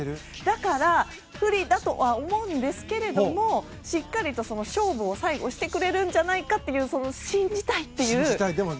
だから、不利だとは思うんですけれどもしっかり勝負を最後してくれるんじゃないかと信じたいという。